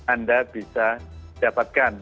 anda bisa dapatkan